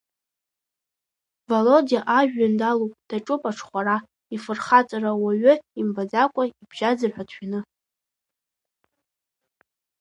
Володиа ажәҩан далоуп, даҿуп аҽхәара, ифырхаҵара уаҩы имбаӡакәа ибжьаӡыр ҳәа дшәаны.